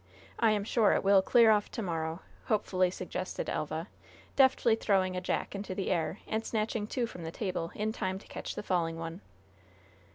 I am sure it will clear off to morrow," hopefully suggested Elva, deftly throwing a "jack" into the air and snatching two from the table in time to catch the falling one.